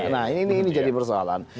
nah ini jadi persoalan